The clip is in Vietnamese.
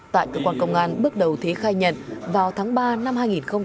tại cơ quan công an bước đầu thí khai nhận vào tháng ba năm hai nghìn hai mươi ba